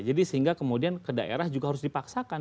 jadi sehingga kemudian ke daerah juga harus dipaksakan